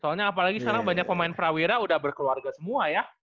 soalnya apalagi sekarang banyak pemain prawira udah berkeluarga semua ya